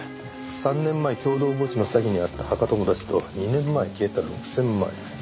３年前共同墓地の詐欺に遭った墓友達と２年前消えた６千万円。